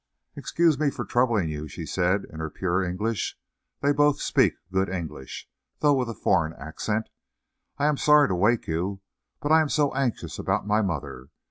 "Excuse me for troubling you," said she, in her pure English they both speak good English, though with a foreign accent "I am sorry to wake you, but I am so anxious about my mother.